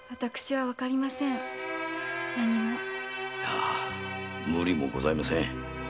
いや無理もございません。